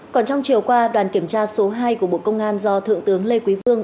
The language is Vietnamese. còn trong chiều qua đoàn kiểm tra số hai của bộ công an do thượng tướng lê quý vương